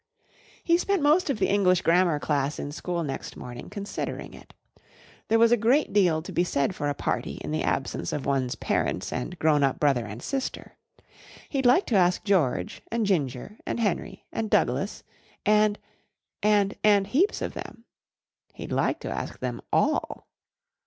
He spent most of the English Grammar class in school next morning considering it. There was a great deal to be said for a party in the absence of one's parents and grown up brother and sister. He'd like to ask George and Ginger and Henry and Douglas and and and heaps of them. He'd like to ask them all.